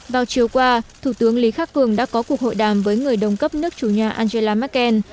vào chiều qua thủ tướng lý khắc cường đã có cuộc hội đàm với người đồng cấp nước chủ nhà angela merkel